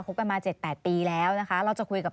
คุยกันแล้วเจ็บปีแล้วนะคะ